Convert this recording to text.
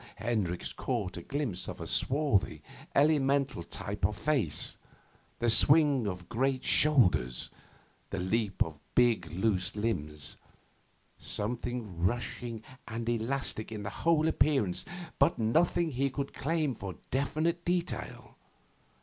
Hendricks caught a glimpse of a swarthy, elemental type of face, the swing of great shoulders, the leap of big loose limbs something rushing and elastic in the whole appearance but nothing he could claim for definite detail.